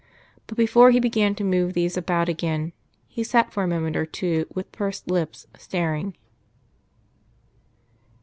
But, before he began to move these about again, he sat for a moment or two with pursed lips, staring.